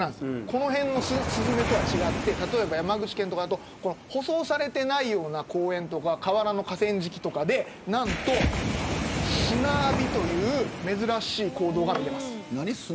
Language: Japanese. この辺のスズメとは違って例えば山口県とかだと舗装されていないような公園とか河原の河川敷とかでなんと砂浴びという珍しい行動が見られます。